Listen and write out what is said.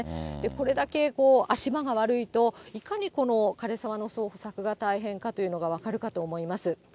これだけ足場が悪いと、いかにこの枯れ沢の捜索が大変かというのが分かるかと思います。